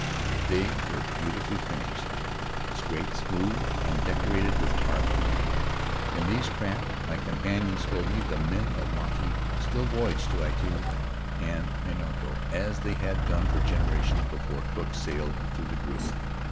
They were beautifully finished — scraped smooth and decorated with carving. In these craft, my companion told me, the men of Mauke still voyage to Atiu and Mitiaro, as they had done for generations before Cook sailed through the group.